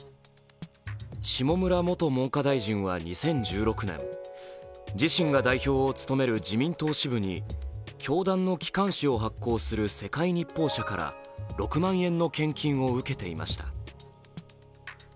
下村元文科大臣は２０１６年、自身が代表を務める自民党支部に教団の機関紙を発行する世界日報社から６万円の献金を受けていました。